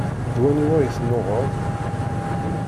D waniwa i tennuɣeḍ?